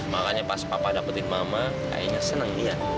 makanya pas papa dapetin mama kayaknya seneng nih ya